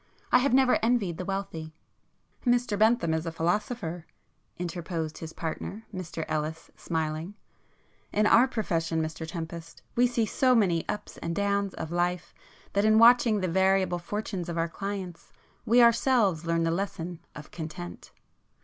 I have never envied the wealthy." "Mr Bentham is a philosopher,"—interposed his partner, Mr Ellis smiling—"In our profession Mr Tempest, we see so many ups and downs of life, that in watching the variable fortunes of our clients, we ourselves learn the lesson of content."